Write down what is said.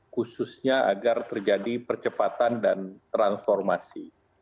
khususnya agar terjadi percepatan dan transformasi